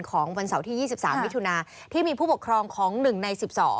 วันเสาร์ที่๒๓มิถุนาที่มีผู้ปกครองของ๑ใน๑๒